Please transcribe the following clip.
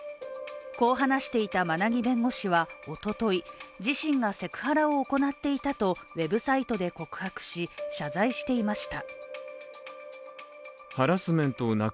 こう話していた馬奈木弁護士はおととい自身がセクハラを行っていたとウェブサイトで告白し、謝罪していました。